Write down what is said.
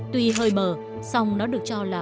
tuy hơi mờ song nó được cho là